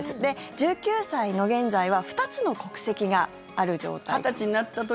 １９歳の現在は２つの国籍がある状態と。